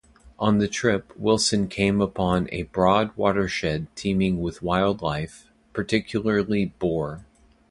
On the trip Wilson came upon a broad watershed teeming with wildlife, particularly bear.